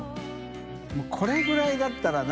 發これぐらいだったらな。